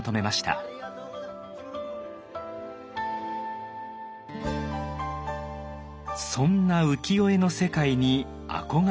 そんな浮世絵の世界に憧れを抱いた北斎。